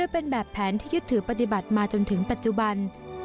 เป็นแบบแผนที่ยึดถือปฏิบัติมาจนถึงปัจจุบัน